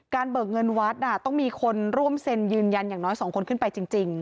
เบิกเงินวัดต้องมีคนร่วมเซ็นยืนยันอย่างน้อย๒คนขึ้นไปจริง